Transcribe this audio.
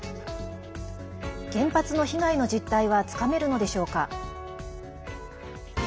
原発の被害の実態はつかめるのでしょうか。